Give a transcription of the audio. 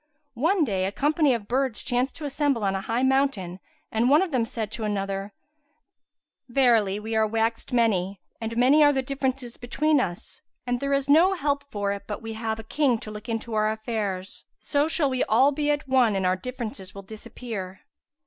One day, a company of birds chanced to assemble on a high mountain and one of them said to another, "Verily, we are waxed many, and many are the differences between us, and there is no help for it but we have a king to look into our affairs; so shall we all be at one and our differences will disappear."